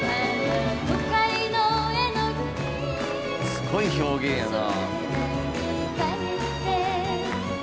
すごい表現やな。